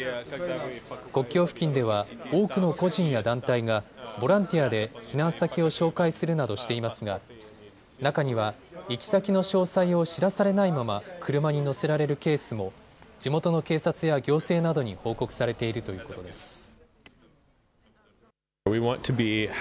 国境付近では多くの個人や団体がボランティアで避難先を紹介するなどしていますが中には行き先の詳細を知らされないまま車に乗せられるケースも地元の警察や行政などに報告されているということです。